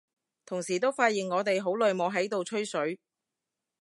同時都發現我哋好耐冇喺度吹水，